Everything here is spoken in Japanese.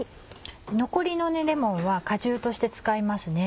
残りのレモンは果汁として使いますね。